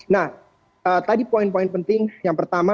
nah tadi poin poin penting yang pertama